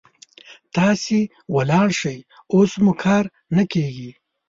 تاسې ولاړ شئ، اوس مو کار نه کيږي.